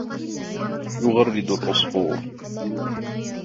يُغَرِّدَ الْعَصْفُورُ.